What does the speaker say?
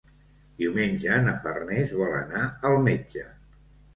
Diumenge na Farners vol anar al metge.